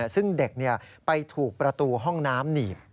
ซึ่งเด็กไปถูกประตูห้องน้ำหนีบ